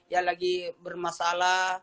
yang lagi bermasalah